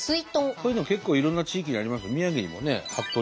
こういうの結構いろんな地域にありますよ。